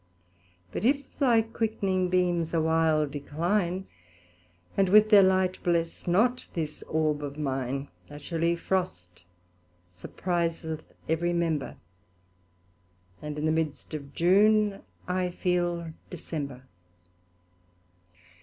But if thy quickening beams a while decline, And with their light bless not this Orb of mine, A chilly frost surpriseth every member, And in the midst of June I feel December.